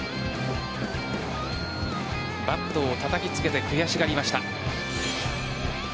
バットをたたきつけて悔しがりました。